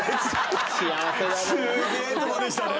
幸せだねすげえとこでしたね